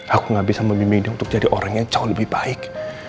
aku gak bisa memimbingin untuk jadi orang yang jauh lebih baik